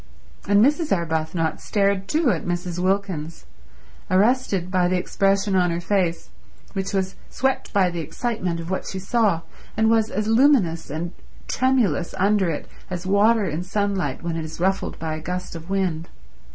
And Mrs. Arbuthnot stared too at Mrs. Wilkins, arrested by the expression on her face, which was swept by the excitement of what she saw, and was as luminous and tremulous under it as water in sunlight when it is ruffled by a gust of wind.